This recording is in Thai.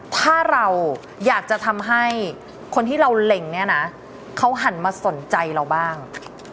ถ้าเราอยากจะทำให้คนที่เราเล็งเนี่ยนะเขาหันมาสนใจเราบ้าง